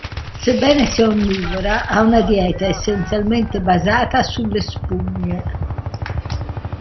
Sebbene sia onnivora, ha una dieta essenzialmente basata sulle spugne.